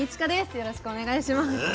よろしくお願いします。